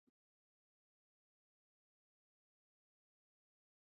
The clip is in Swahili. Aliawaambia wananchi wake kwamba wakoloni wakipiga risasi waseme maji